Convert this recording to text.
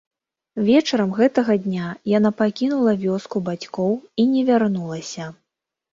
Вечарам гэтага дня яна пакінула вёску бацькоў і не вярнулася.